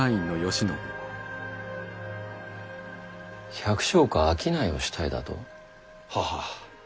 百姓か商いをしたいだと？ははっ。